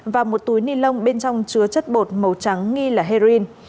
và một túi ni lông bên trong chứa chất bột màu trắng nghi là heroin